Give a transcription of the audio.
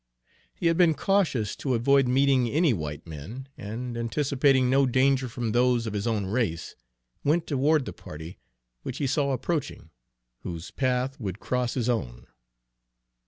He had been cautious to avoid meeting any white men, and, anticipating no danger from those of his own race, went toward the party which he saw approaching, whose path would cross his own.